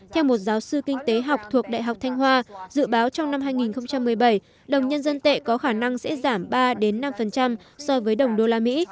theo một giáo sư kinh tế học thuộc đại học thanh hoa dự báo trong năm hai nghìn một mươi bảy đồng nhân dân tệ có khả năng sẽ giảm ba năm so với đồng đô la mỹ